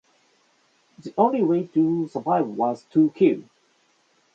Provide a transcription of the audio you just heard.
The only way to survive was to kill.